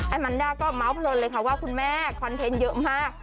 มันด้าก็เมาส์เพลินเลยค่ะว่าคุณแม่คอนเทนต์เยอะมาก